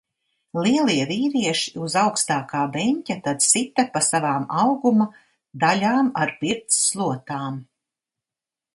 Lielie vīrieši uz augstākā beņķa tad sita pa savām auguma daļām ar pirts slotām.